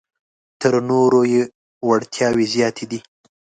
تر نورو یې وړتیاوې زیاتې دي.